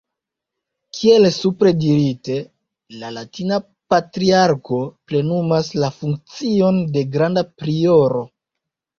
Kiel supre dirite, la latina Patriarko plenumas la funkcion de Granda Prioro.